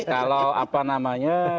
kalau apa namanya